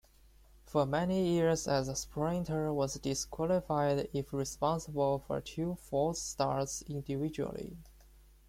For many years a sprinter was disqualified if responsible for two false starts individually.